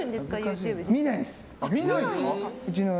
見ないです。